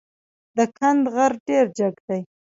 د کند غر ډېر جګ دی.